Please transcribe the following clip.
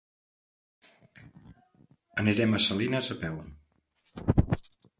Anirem a Salines a peu.